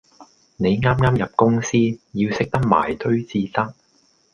你啱啱入公司，要識得埋堆至得